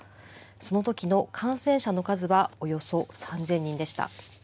そのときの感染者の数はおよそ３０００人でした。